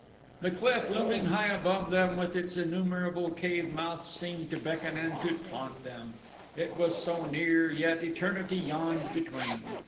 The cliff looming high above them with its innumerable cave mouths seemed to beckon and to taunt them. It was so near, yet eternity yawned between.